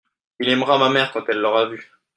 il aimera ma mère quand elle l'aura vue.